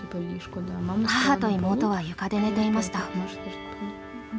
母と妹は床で寝ていました。